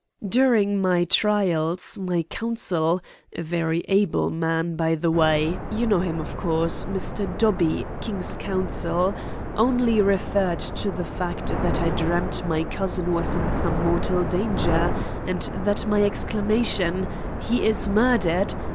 "During the trials, my counsel, a very able man, by the way you know him, of course, Mr. Dobbie, K.C. only referred to the fact that I dreamed my cousin was in some mortal danger, and that my exclamation 'He is murdered!'